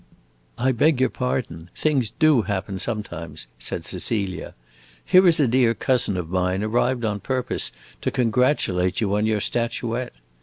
"I beg your pardon; things do happen, sometimes," said Cecilia. "Here is a dear cousin of mine arrived on purpose to congratulate you on your statuette."